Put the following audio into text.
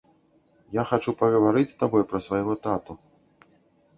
Я хачу пагаварыць з табой пра свайго тату.